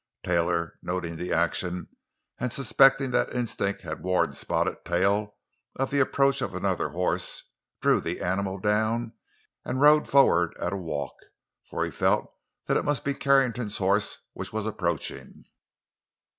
Taylor, noting the action, and suspecting that instinct had warned Spotted Tail of the approach of another horse, drew the animal down and rode forward at a walk, for he felt that it must be Carrington's horse which was approaching.